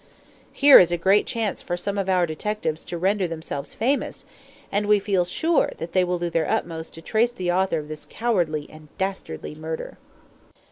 Here is a great chance for some of our detectives to render themselves famous, and we feel sure that they will do their utmost to trace the author of this cowardly and dastardly murder."